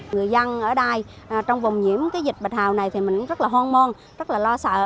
người dân ở đây trong vùng nhiễm dịch bạch hầu này thì mình cũng rất là hoan môn rất là lo sợ